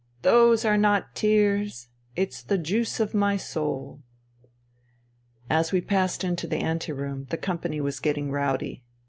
" Those are not tears : it's the juice of my soul. ..." As we passed into the ante room, the company was getting rowdy.